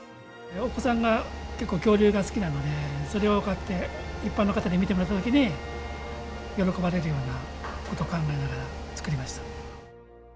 お子さんが結構、恐竜が好きなので、それをこうやって一般の方に見てもらったときに、喜ばれるようなことを考えながら作りました。